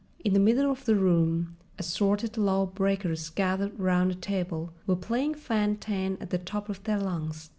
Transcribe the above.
In the middle of the room assorted lawbreakers gathered round a table were playing fan tan at the top of their lungs.